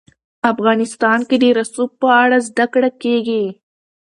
افغانستان کې د رسوب په اړه زده کړه کېږي.